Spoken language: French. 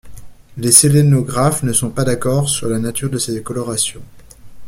Les sélénographes ne sont pas d’accord sur la nature de ces colorations.